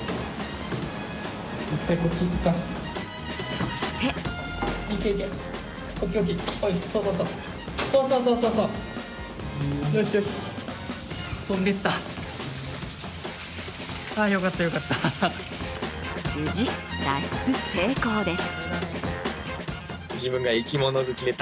そして無事、脱出成功です。